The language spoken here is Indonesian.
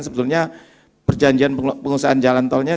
sebetulnya perjanjian pengusahaan jalan tolnya